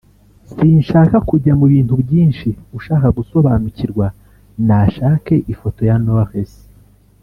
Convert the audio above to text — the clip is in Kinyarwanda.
sinshaka kujya mu bintu byinshi ushaka gusobanukirwa nashake ifoto ya Knowless